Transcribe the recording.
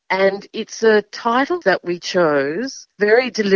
yang kita pilih dengan sangat berdiri